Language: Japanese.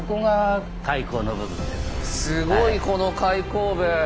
すごいこの開口部。